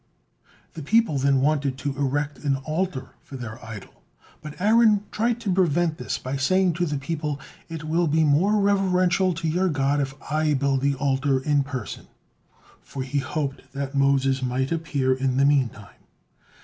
The people then wanted to erect an altar for their idol, but Aaron tried to prevent this by saying to the people: "It will be more reverential to your god if I build the altar in person," for he hoped that Moses might appear in the meantime.